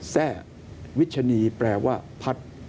แทร่วิชนีแปลว่าพัฒน์